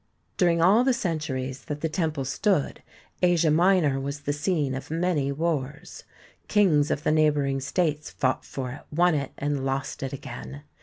During all the centuries that the temple stood, Asia Minor was the scene of many wars. Kings of the neighbouring states fought for it, won it, and lost it again.